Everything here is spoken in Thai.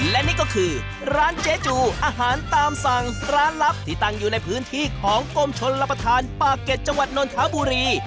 และนี่ก็คือร้านเจ๊จูอาหารตามสั่งร้านลับที่ตั้งอยู่ในพื้นที่ของกรมชนรับประทานปากเก็ตจังหวัดนนทบุรี